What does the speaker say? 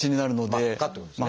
真っ赤ってことですね。